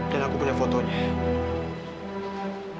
dan aku punya fotonya